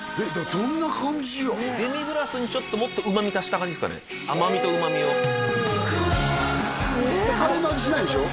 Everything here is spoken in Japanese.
どんな感じよデミグラスにちょっともっと旨み足した感じすかね甘味と旨みをおおカレーの味しないんでしょ？